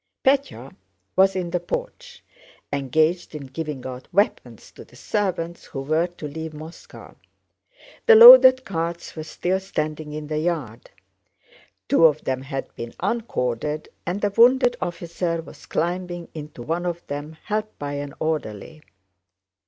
Pétya was in the porch, engaged in giving out weapons to the servants who were to leave Moscow. The loaded carts were still standing in the yard. Two of them had been uncorded and a wounded officer was climbing into one of them helped by an orderly.